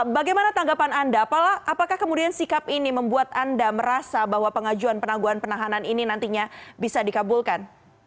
bagaimana tanggapan anda apakah kemudian sikap ini membuat anda merasa bahwa pengajuan penangguhan penahanan ini nantinya bisa dikabulkan